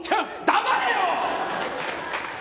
黙れよ！！